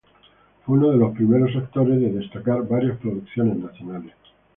Fue unos los primeros actores de destacar varias producciones nacionales.